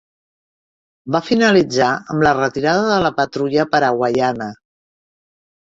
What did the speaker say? Va finalitzar amb la retirada de la patrulla paraguaiana.